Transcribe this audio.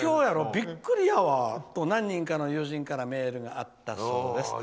びっくりやわ！と何人かの友人からメールがあったそうです」。